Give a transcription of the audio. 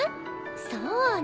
そうね。